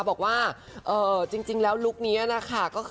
บอกว่าจริงแล้วลุคนี้นะคะ